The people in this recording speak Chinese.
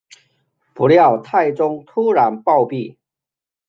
不料太宗突然暴毙。